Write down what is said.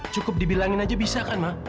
cukup dibilangin saja bisa kan ma